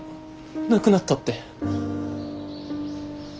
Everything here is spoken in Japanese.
亡くなったって。